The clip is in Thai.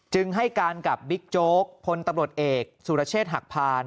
ให้การกับบิ๊กโจ๊กพลตำรวจเอกสุรเชษฐ์หักพาน